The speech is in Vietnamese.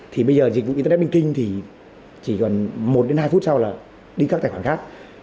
thì bây giờ dịch vụ internet banking thì chỉ còn một đến hai phút sau là đi các tài khoản khác